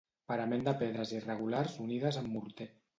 Parament de pedres irregulars unides amb morter.